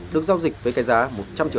được giao dịch với cái giá một trăm linh triệu